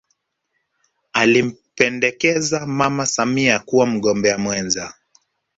alimpendekeza mama samia kuwa mgombea mwenza